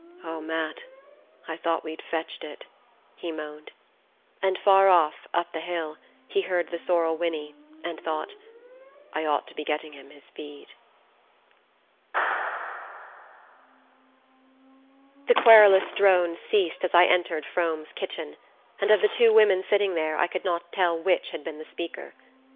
"Oh, Matt, I thought we'd fetched it," he moaned; and far off, up the hill, he heard the sorrel whinny, and thought: "I ought to be getting him his feed..." THE QUERULOUS DRONE ceased as I entered Frome's kitchen, and of the two women sitting there I could not tell which had been the speaker.